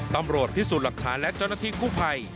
ตำรวจพิสูจน์หลักฐานและเจ้าหน้าที่กู้ภัย